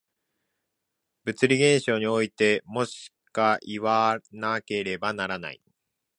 物理現象においてもしかいわなければならない。